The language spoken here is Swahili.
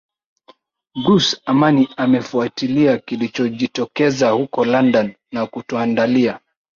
Bruce Amani amefuatilia kilichojitokeza huko London na kutuandalia